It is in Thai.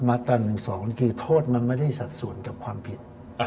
มาตรา๑๒คือโทษมันไม่ได้สัดส่วนกับความผิด